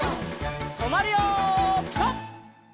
とまるよピタ！